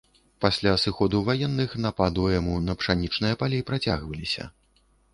Пасля сыходу ваенных нападу эму на пшанічныя палі працягваліся.